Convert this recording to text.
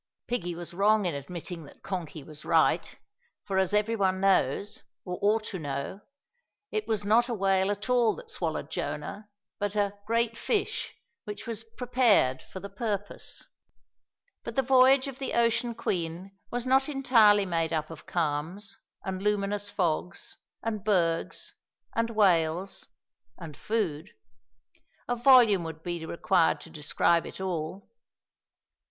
Piggie was wrong in admitting that. Konky was right, for, as every one knows, or ought to know, it was not a whale at all that swallowed Jonah, but a "great fish" which was "prepared" for the purpose. But the voyage of the Ocean Queen was not entirely made up of calms, and luminous fogs, and bergs, and whales, and food. A volume would be required to describe it all.